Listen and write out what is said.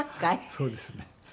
そうですね。